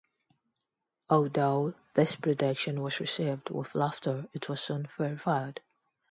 Although this prediction was received with laughter, it was soon verified.